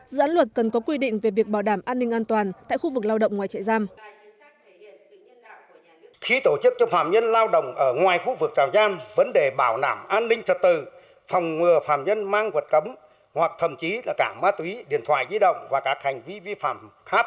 dự án luật cần có quy định về việc bảo đảm an ninh an toàn tại khu vực lao động ngoài chạy giam